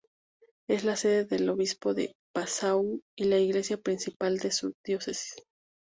Es la sede del obispado de Passau y la iglesia principal de su diócesis.